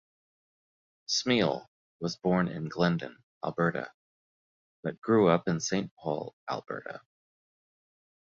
Smyl was born in Glendon, Alberta, but grew up in Saint Paul, Alberta.